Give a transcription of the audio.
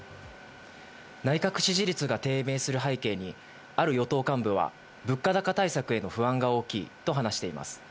内閣支持率が低迷する背景にある与党幹部は、物価高対策への不安が大きいと話しています。